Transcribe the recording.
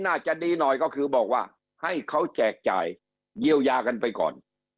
น่าจะดีหน่อยก็คือบอกว่าให้เขาแจกจ่ายเยียวยากันไปก่อน